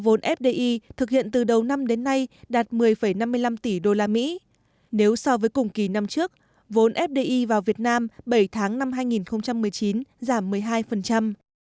vốn fdi thực hiện từ đầu năm đến nay đạt một mươi năm mươi năm tỷ usd nếu so với cùng kỳ năm trước vốn fdi vào việt nam bảy tháng năm hai nghìn một mươi chín giảm một mươi hai